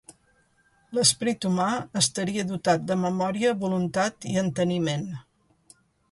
L'esperit humà estaria dotat de memòria, voluntat i enteniment.